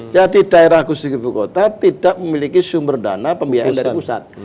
jadi daerah khusus ibu kota tidak memiliki sumber dana pembiayaan dari pusat